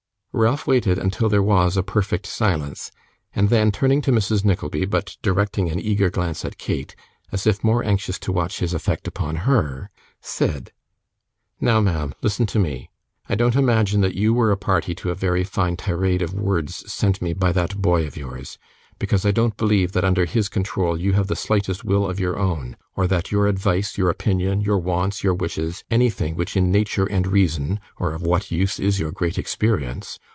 Ralph waited until there was a perfect silence, and then turning to Mrs Nickleby, but directing an eager glance at Kate, as if more anxious to watch his effect upon her, said: 'Now, ma'am, listen to me. I don't imagine that you were a party to a very fine tirade of words sent me by that boy of yours, because I don't believe that under his control, you have the slightest will of your own, or that your advice, your opinion, your wants, your wishes, anything which in nature and reason (or of what use is your great experience?)